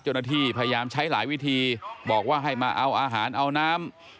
เจ้าหน้าที่พยายามใช้หลายวิธีบอกว่าให้มาเอาอาหารเอาน้ำ